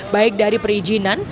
baik dari perizinan